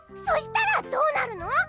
そしたらどうなるの？